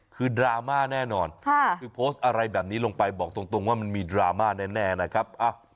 คือดราม่าแน่นอนคือโพสต์อะไรแบบนี้ลงไปบอกตรงว่ามันมีดราม่าแน่นะครับ